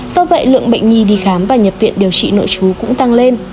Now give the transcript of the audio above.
do vậy lượng bệnh nhi đi khám và nhập viện điều trị nội chú cũng tăng lên